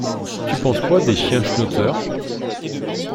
Tu penses quoi des chiens schnauzer?